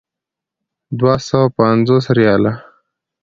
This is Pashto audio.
دوه سوه پنځوس ریاله.